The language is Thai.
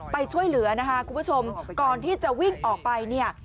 ไปช่วยเหลือนะคะคุณผู้ชมก่อนที่จะวิ่งออกไปเนี่ย